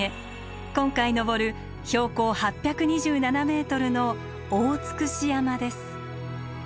今回登る標高８２７ｍの大尽山です。